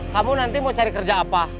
kamu nanti mau cari kerja apa